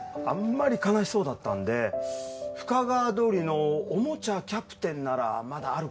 あんまり悲しそうだったんで深川通りの「おもちゃキャプテン」ならまだあるかもよって